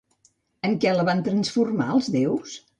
En què la van transformar els déus?